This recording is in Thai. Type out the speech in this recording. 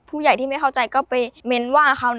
ผู้ใหญ่ที่ไม่เข้าใจก็ไปเม้นว่าเขานะ